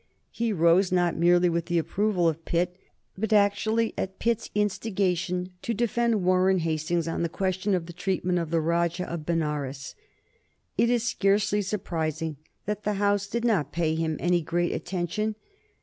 He rose not merely with the approval of Pitt, but actually at Pitt's instigation, to defend Warren Hastings on the question of the treatment of the Rajah of Benares. It is scarcely surprising that the House did not pay him any great attention.